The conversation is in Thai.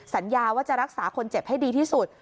สัญญาว่าจะรักษาคนเจ็บให้ดีที่สุด